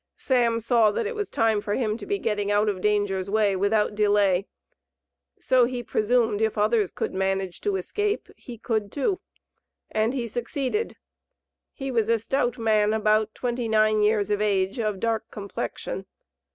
Sam saw that it was time for him to be getting out of danger's way without delay, so he presumed, if others could manage to escape, he could too. And he succeeded. He was a stout man, about twenty nine years of age, of dark complexion.